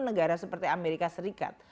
negara seperti amerika serikat